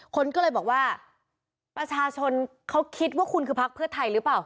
คนก็เลยบอกว่าประชาชนเขาคิดว่าคุณคือพักเพื่อไทยหรือเปล่า